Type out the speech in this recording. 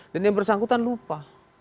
dan yang bersangkutan lupa